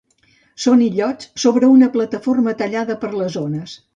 Són illots sobre una plataforma tallada per les ones.